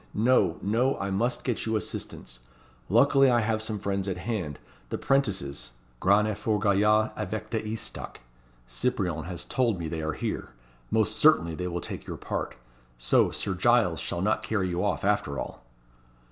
No! no! I must get you assistance. Luckily I have some friends at hand, the 'prentices grands et forts gaillards, avec des estocs; Cyprien has told me they are here. Most certainly they will take your part. So, Sir Giles shall not carry you off, after all."